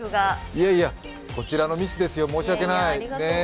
いやいや、こちらのミスですよ、申し訳ない。